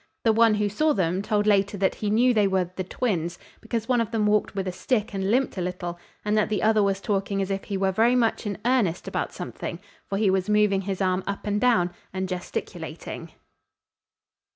The one who saw them told later that he knew they were "the twins" because one of them walked with a stick and limped a little, and that the other was talking as if he were very much in earnest about something, for he was moving his arm up and down and gesticulating.